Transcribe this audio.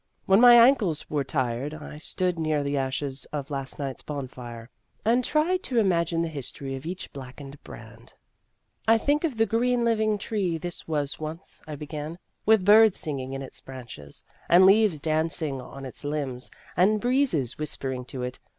When my ankles were tired, I stood near the ashes of last night's bonfire, and That Athletic Girl 205 tried to imagine the history of each black ened brand. " Think of the green living tree this was once," I began, " with birds singing in its branches, and leaves dancing on its limbs, and breezes whispering to it.